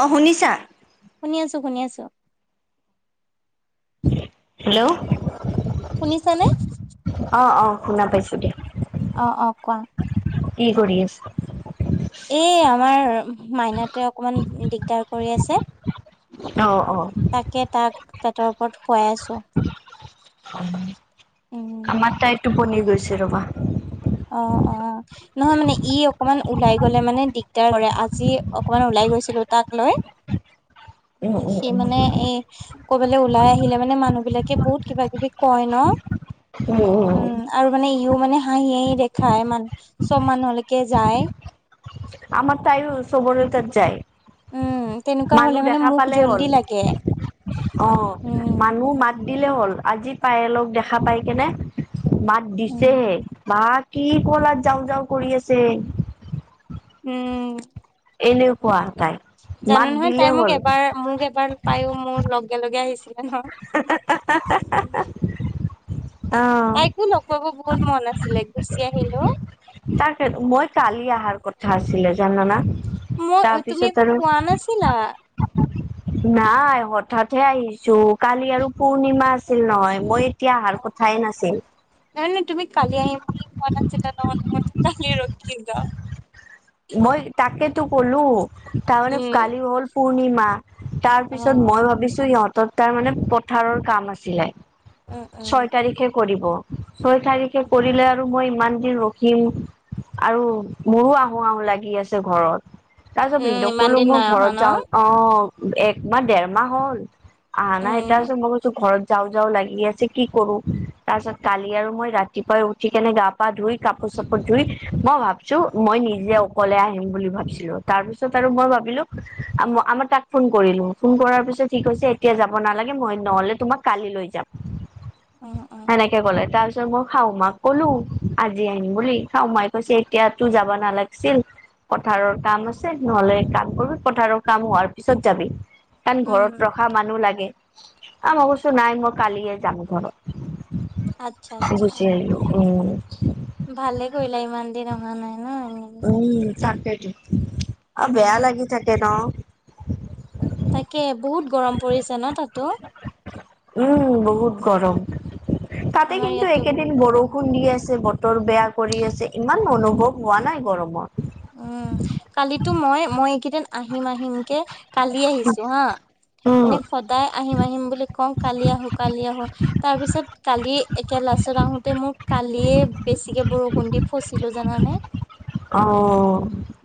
অ শুনিছা শুনি আছো শুনি আছো হেল্ল' শুনিছানে অঁ অঁ শুনা পাইছোঁ দিয়া অ অ কোৱা কি কৰি আছে এই আমাৰ মাইনাতে অকমান দিগদাৰ কৰি আছে অ অ তাকে তাক পেটৰ ওপৰত শোৱাই আছোঁ। আমাৰ তাই টোপনি গৈছে ৰবা। অ অ নহয় মানে, ই অকমান ওলাই গলে মানে দিগদাৰ কৰে আজি অকণমান ওলাই। সি গৈছিলো তাক লৈ উম উম সি উম মানে ই, কৰবালৈ ওলাই আহিলে মানে মানুহ বিলাকে বহুত কিবা-কিবি কয় ন। উম আৰু মানে ইও মানে হাঁহি হাঁহি শিক্ষাই মান সব মানুহলৈকে যায়। আমাৰ তাইও চবৰে তাত উম যায়। তেনেকুৱা হলে মানুহ মানে দেখা মোক পালেই জল্দি হ'ল। লাগে অ উম। মানুহ মাত দিলে হ'ল আজি, পায়েলক দেখা পাই কেনে মাত দিছে উম বাত কি কলা যাওঁ-যাওঁ কৰি আছে। হুম এনেকুৱা তাই। জানা মাত নহয়, দিলে তাই মোক হ'ল এবাৰ মোক এবাৰ পায়ো মোৰ লগে লগে আহিছে। হেল্ল অ তাইকো লগ পাব বহুত মন আছিলে গুচি আহিলোঁ। তাক মই কালি অহাৰ কথা আছিলে জানানা? মই ও তুমি তাৰপিছত একো আৰু পোৱা নাছিলা। নাই হঠাৎ হে আহিছো, কালি আৰু পূৰ্ণিমা আছিল নহয়, মই সি অহাৰ কথাই নাছিল। নাই নাই তুমি কালি আহিম বুলি কোৱা নাছিলা জানো, মই বহুত কালি ৰাখিলোঁ। মই তাকেতো ক'লো, তাৰমানে উম কালি হ'ল পূৰ্ণিমা। তাৰ অ পিছত অ মই ভাবিছোঁ ইহঁত তাত মানে পথাৰৰ কাম আছিলে। উম উম ছয় তাৰিখে কৰিব। ছয় তাৰিখে কৰিলে আৰু মই ইমান দিন ৰখিম আৰু মোৰো আহো আহোঁ লাগি আছে ঘৰত। তাৰ পিছত উম ভেনিদেউ ইমান কলো দিন মই নাই অহা ঘৰত ন যাওঁ, অ একমাহ দেৰ মাহ হ'ল। আহ নাই, উম তাৰ আছে পিছত মই কৈছোঁ ঘৰত যাওঁ যাওঁ লাগি আছে কি কৰোঁ, তাৰ পাছত কালি আৰু মই ৰাতিপুৱাই উঠি কেনে গা পা ধুই কাপোৰ শপত জুই, মই ভাবিছো মই নিজ যে অকলে আহিম বুলি ভাবিছিলোঁ তাৰ পিছত আৰু মই ভাবিলোঁ অমা আমাৰ তাক ফোন কৰিলোঁ। ফোন- ফোন কৰাৰ পিছত কি কৈছে এতিয়া যাব নালাগে, মই নহলে তোমাক কালি লৈ যাম। উম উম এনেকৈ কলে তাৰছ- পিছত মই শাহু মাক কলো, আজি আহিম বুলি শাহুমায়ে কৈছে এতিয়া তই যাব নালাগে। ছি পথাৰৰ কাম হৈছে, নহ'লে কাম কৰিবি পথাৰৰ কাম হোৱাৰ পিছত যাবি। কাৰণ ঘৰত উম ৰখা মানুহ লাগে, কাম অৱশ্যে নাই মই কালিয়ে যাম আচ্ছা ঘৰত। আচ্ছা গুচি আহিলোঁ উম। ভালে কৰিলা ইমান দিন অহা নাই। ন এনেই। তাকেইটো অ উম বেয়া লাগি থাকে নো। তাকে বহুত গৰম পৰিছে নো তাতো। উম বহুত গৰম। তাতে আমাৰ কিন্তু ইয়াতো বহুত এইকেইদিন গৰম বৰষুণ দি আছে ব- বতৰ বেয়া কৰি আছে, ইমান অনুভৱ হোৱা নাই গৰমত। উম কালিতো মই মই এইকেইদিন আহিম আহিম - হিমকে কালি আহিছোঁ হা। উম মানে সদায় আহিম আহিম বুলি কওঁ কালি আহোঁ কালি আহোঁ তাৰ পিছত কালি একে লগ - পিছত আহোঁতে মোক কালিয়ে বেছিকে বৰষুণ দি ফছিলো জানানে? অ-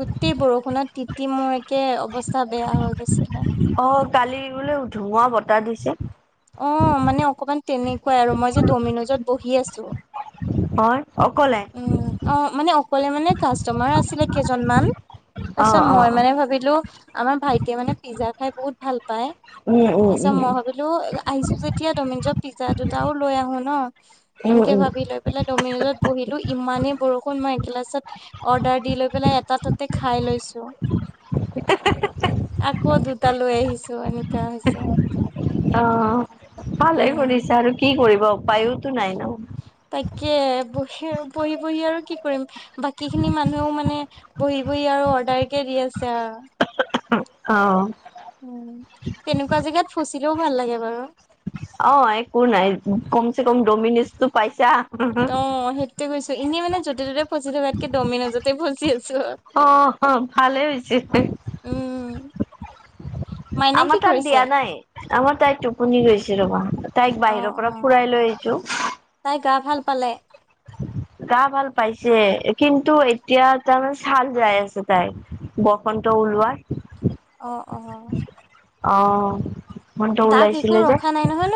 গোটেই বৰষুণত তিতি মই- কে অৱস্থা বেয়া হৈ গৈছিল নে? এটা দিছে, অ মানে অকমান তেনেকুৱাই আৰু মই যে ডমিনজত বহি আছো হয় অকলে উম অ মানে অকলে মানে কাষ্টমাৰ আছিলে কেইজন মান অ' তাৰপিছত অ' মই মানে ভাবিলো আমাৰ ভাইটিয়ে মানে পিজ্জা খাই বহুত ভাল পায় উম উম তাৰিছত মই ভাবিলো আহিছো যেতিয়া ডমিনজ পিজ্জা দুটাও লৈ আহো ন উম উম এনেকে উম ভাবিলো লৈ পেলাই ডমিনত পঢহিলো ইমানেই বৰষুণ মই এগিলাচত অৰ্ডাৰ দি লৈ পেলাই এটা ততে খাই লৈছো [unintelligible] আকৌ দুটা লৈ আহিছো এনেকাা হৈছে অ ভালেই উম। কৰিছো আৰু কি কৰিব উপায়োতো নাই ন তাকে বহি বহি বহি আৰু কি কৰিম বাকী খিনি মানুহেও মানে বহি আৰু অৰ্ডাৰ কেে দি আছে অ উ তেনেকুৱা জেগাত ফচিলেও ভাল লাগে বাৰু অ একো নাই কম চে কম ডমিনিজ টো পাইছা অ সেইটোয়ে গৈছো এনেই মানে যতে ত'তে ফচি থকাতকে দমিনজতেই ফচি আছো অ ভালেই হৈছে উম। মাইনাই কি আমাৰ তাত কৰিছে? দিয়া নাই আমাৰ তাই টোপনি গৈছে ৰবা তাইক অ বাহিৰৰ অ পৰা ফুৰাই লৈ তাই গা ভাল পালে আহিছো গা ভাল পাইছে কিন্তু এতিয়া তাৰমানানে ছাল যাই আছে তাই বসন্ত ুলোৱাই অ অ অ মনটো দাগ একো ওলাইছিলে যে ৰখা নাই নহয় ন?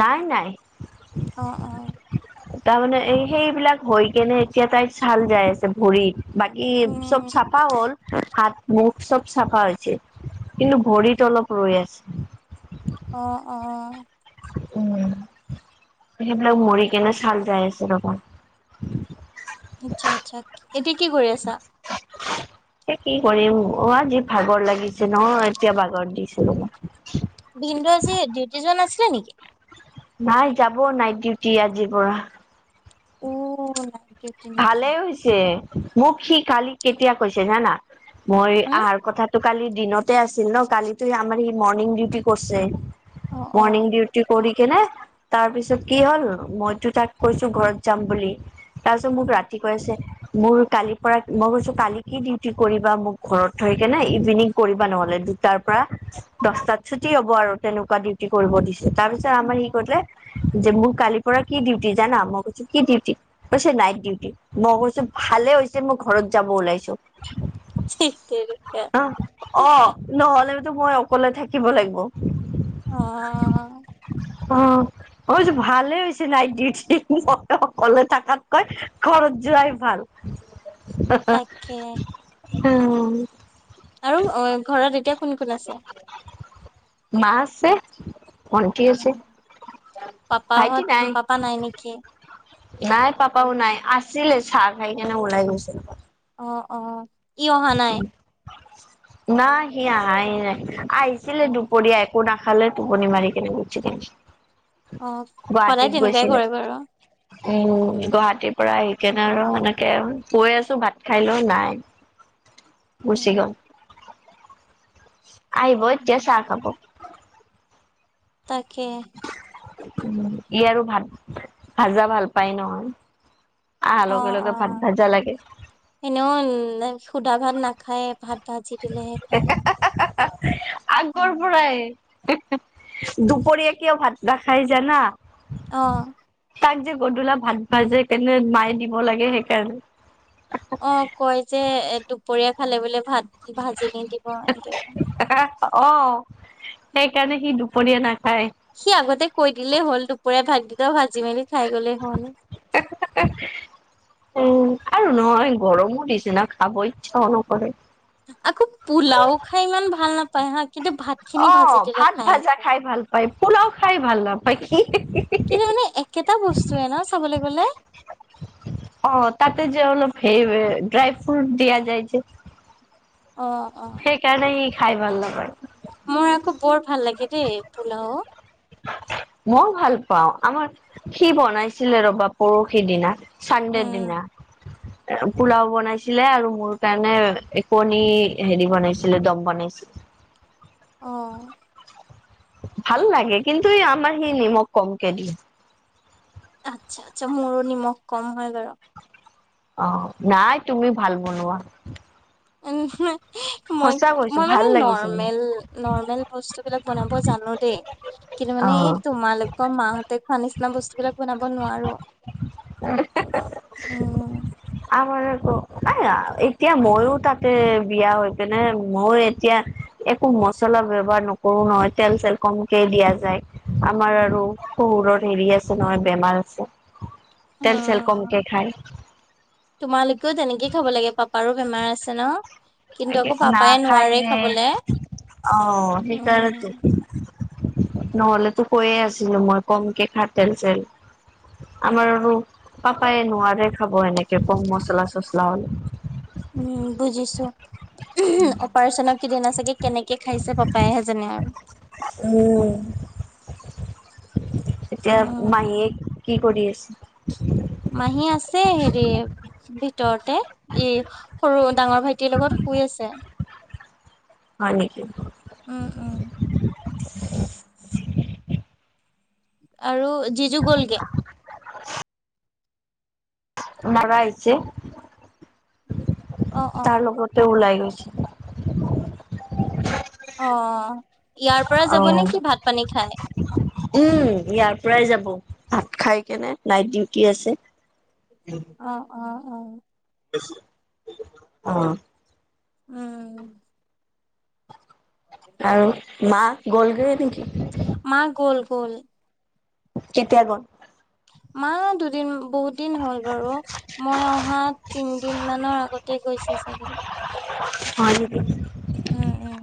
নাই নাই অ অ তাৰমানে এই সেইবিলাক হৈ কেনে এতিয়া তাই চাল যাই আছে ভৰিত বাকী উম চব চাফা হ'ল হাত মুখ চব চাফা হৈছে কিন্তু ভৰিত অলপ ৰৈ আছে অ অ উম সেইবিলাক মুৰি কেনো চাল যায় আছে তোক আচ্ছা আচ্ছা এতিয়া কি কৰি আছা এ কি কৰিম অ আজি ভাগৰ লাগিছে ন এতিয়া ভাগৰত দিছিলো ভিন্দু আজি ডিউটি জোৱ আছিলে নেকি নাই যাব নাই ডিউটি আজিৰ পৰা উ নাই ভালেই হৈছে মোক সি কালি কেতিয়া কৈছে জানা মই হুম অহাৰ কথাাতটো কালি দিনতে আছিল ন কালিিতো আমাৰ ম ডিউ কৰিছে অ অ মৰ্ণং ডিউ কৰি নে তাৰ পিছত কি হ'ল মইতো তাক কৈছো ঘৰত যাম বুলি তাৰপিছত মোক উম ৰাতি কৈ আছে মোৰ কালিৰ পৰা মই কৈছো কালি কি ডিউটি কৰিবা মোক ঘৰত থৈ কে নে ইভিনিং কৰিবা নহ'লে তাৰ পৰা দহটাত ছুটি হব আৰু তেনেকুৱা ডিউটি কৰিব দিছো তাৰপিছত আমাৰ ই কৰিলে যে মোক কালিৰ পৰা কি ডিউটি জানা মই কৈছো কি ডিউটি কৈছে নাইট উটি মই কৈছো ভালে হৈছে মই ঘৰত যাব ওলাইছো ঠিক তেনেকে অ অ নহ'লে কিু মই অকলে থাকিব লাগিব অ অ মই ভালে হৈছে নাইটউঠ ম অকলে থাকাতকৈ খৰচ জৰাাই ভাল তাকে উম আৰু ঘৰত এতিয়া কোন কোন আছে মা আছে ভণটি আছে ভাইটি পাপাহত নাই পাপা নেকি? নাই পাপাও নাই আছিলে চাহ খাই কেনে ওলাই গৈছিল অ অ ই অহা নাই নাই সি আহাই নাই আহিছিলে অ দুপৰীয়া একো না খালে টোপনি মাৰি কেনে গুছি গল অ সদায় গুৱাহাটীত তেনেকুৱাই গৈছিলো কৰে বাৰু উম গুৱাহাটীৰ পৰা আহিকানে আৰু সেনেকে আৰু কৈ আছো ভাত খাই ল নাই গুচি উম গল আহিব এতিয়া চাহ খাব তাকে উম ই আৰু ভাত ভাজা ভাল পাই ন অ অ এনেও লা সুধা ভাত নাখায়ে ভাত ভাজি দিলেহে খায় আগৰ পৰাই দুপৰীয়া কিয় ভাত নাখাই জানা অ তাক যে গধূলা ভাত ভাজ কেনে মায়ে দিব লাগে সেইকাৰণে অ কয় যে এ দুপৰীয়া খালে বোলে ভাত ভাজি নি দিব এনেকে কয় অ সেইকাৰণে সি দুপৰীয়া না সি আগতে কৈ দিলেই হ'ল দুপৰীয়া ভাত গিটা ভাজি মেলি খাই গলেই হল তাকে উম আৰু নহয় গৰমো দিছে ন খাব ইচ্ছাও নকৰে আকৌ পোলাও খাই ইমান ভাল নাপায় হাঁ অ ভাত ভাজা খাই ভাল পায় পোলাও খাই ভাল নাপায় কি কিন্তু মানে একেটা বস্তুৱে ন চাবলে গলে সেই ড্ৰাই ফ্ৰুট দিয়া যাই যে অ অ সেইকাৰণে ই খাই ভাল নাপায় মোৰ আকৌ বৰ ভাল লাগে দেই পুলাও মই ভাল পাও আমাৰ সি বনাইছিলে ৰবা পৰহি দিনা চাণ্ডে উম দিনা পোলাও বনাইছিলে আৰু মোৰ কাৰণে এক কণী হেৰি বনাইছিলে দম বনাইছিল হয় অহ ভাল লাগে কিন্তু এই আমাৰ সেই নিমখ কমকে দিয়ে আচ্ছা আচ্ছা মোৰো নিমখ কম হয় বাৰু অ নাই তুমি ভাল বনোৱা মই মই সঁচা কৈছো ভাল মানে লাগিছে মোৰ নৰ্মেল নৰ্মেল বস্তু বিলাক বনাব জানো দেই কিন্তু অ মানে এই তোমালোকৰ মা হতে খোৱা নিচিনা বস্তু বিলাক বনাব নোৱাৰো উ [unintelligible] উম আমাৰ আকৌ এতিয়া মইও তাতে বিয়া হৈ কেনে মই এতিয়া একো মচলা ব্যৱহাৰ নকৰো নহয় তেল চেল কমকে দিয়া যায় আমাৰ আৰু উম। শহুৰৰ হেৰি আছে নহয় বেমাৰ আছে তেল চেল অ', কমকে খায় তোমালোকেও তেনেকে খাব লাগে পাপাৰো বেমাৰ আছে ন কিন্তু এনকে আকৌ পাপাই নাখাই নোৱাৰে যে খাবলে। অ সেই উম, কাৰণেটো নহ'লে তো কৈয়ে আছিলো মই কমকে খা তেল চেল আমাৰ আৰু পাপায়ে নোৱাৰে খাব এনেকে কম মচলা চচলা হলে অপাৰেচন কেইদিনা চাগে কেনেকে খাইছে পাপাই হে জানে আৰু উম এতিয়া উম। মাহীয়ে কি কৰি আছে মাহী আছে হেৰি ভিতৰতে এ সৰু ডাঙৰ ভাইটিৰ লগত শুই আছে হয় নিকি উম - উম। [inaudible] আৰু যিজু গ'লগে। [inaudible] মৰা আহিছে অ অ। তাৰ লগতে ওলাই গৈছে। [unintelligible] অ, ইয়াৰ পৰা অ যাব নে কি ভাত পানী খাই। উম, ইয়াৰ পৰাই যাব ভাত খাই কেনে নাইট ডিউটি আছে। অ - অ - অ। অহ ', উম, আৰু মা গ'লগৈয়ে নেকি? মা গ'ল গল। কেতিয়া গল। মা দুদিন বহুত দিন হ'ল বাৰু মই অহা তিনদিন মানৰ আগতে গৈছে চাগে। উম, উম - উম।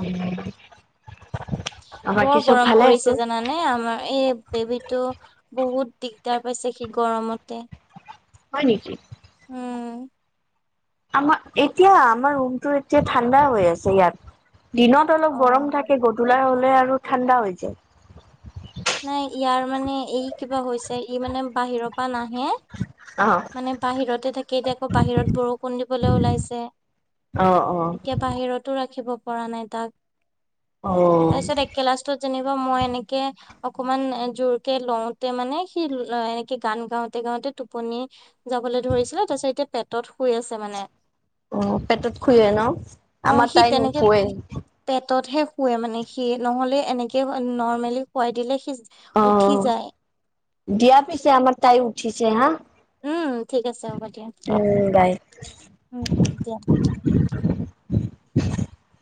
উম, বৰ গৰম পৰিছে জানানে আমাৰ এই বেবিতটো বহুত দিগদাৰ পাইছে সি গৰমতে। হয় নেকি। উম আমাৰ এতিয়া আমাৰ ৰুমতটো এতিয়া ঠাণ্ডা হৈ আছে ইয়াত। দিনত অলপ গৰম অ। থাকে গধূলা হলে আৰু ঠাণ্ডা হৈ যায়। নাই ইয়াৰ মানে ই কিবা হৈছে ই মানে বাহিৰৰ পৰা নাহে। [inaudible] মানে বাহিৰতে থাকি এতিয়া আকৌ বাহিৰত বৰষুণ দিবলৈ ওলাইছে। অ', অ', এতিয়া বাহিৰতো ৰাখিব পৰা নাই তাক। অহ তাৰপিছত ', এক লাষ্টত যেনিবা মই এনেকে অকমান জোৰ কেে লওতে মানে সি এনেকে গান গাওতে গাওতে টোপনী যাবলৈ ধৰিছিলে তাৰ পিছত এতিয়া পেটত শুই আছে মানে। অ, পেটত শুৱে ন আমাৰ তাই নুখোৱে। হাততহে শুৱে মানে সি নহ'লে এনেকে নৰ্মেলি খুৱাই দিলে সি অ, উঠি যায় দিয়া পিছে আমাৰ তাই উঠিছে হাহ। উম, ঠিক আছে হ'ব দিয়া। বাই। উম - উম দিয়া। [inaudible]